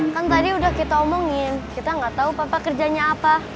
kan tadi udah kita omongin kita nggak tahu papa kerjanya apa